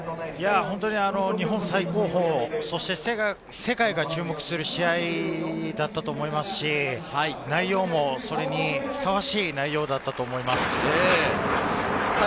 本当に日本最高峰、そして世界が注目する試合だったと思いますし、内容もそれにふさわしい内容だったと思います。